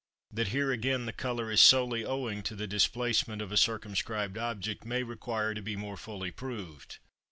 That here again the colour is solely owing to the displacement of a circumscribed object may require to be more fully proved.